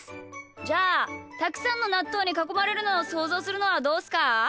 じゃあたくさんのなっとうにかこまれるのをそうぞうするのはどうっすか？